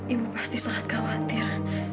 ibu pasti sangat khawatir